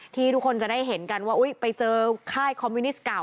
ทุกคนจะได้เห็นกันว่าไปเจอค่ายคอมมิวนิสต์เก่า